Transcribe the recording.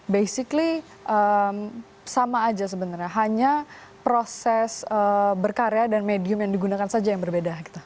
basically sama aja sebenarnya hanya proses berkarya dan medium yang digunakan saja yang berbeda gitu